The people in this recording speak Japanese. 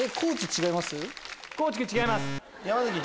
違います。